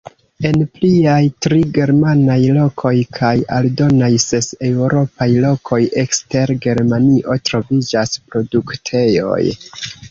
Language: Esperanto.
En pliaj tri germanaj lokoj kaj aldonaj ses eŭropaj lokoj ekster Germanio troviĝas produktejoj.